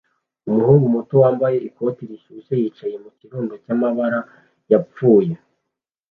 Umuhungu muto wambaye ikoti rishyushye yicaye mu kirundo cy'amababi yapfuye